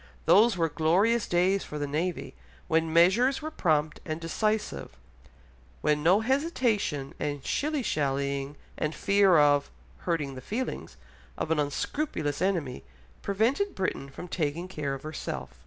Those were glorious days for the navy, when measures were prompt and decisive, when no hesitation and shilly shallying and fear of "hurting the feelings" of an unscrupulous enemy prevented Britain from taking care of herself.